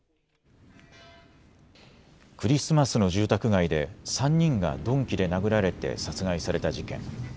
クリスマスの住宅街で３人が鈍器で殴られて殺害された事件。